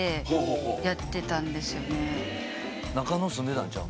中野住んでたんちゃう？